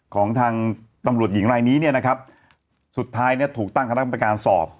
ของทางตำรวจหญิงรายนี้เนี่ยนะครับสุดท้ายเนี่ยถูกตั้งคณะประการสอบ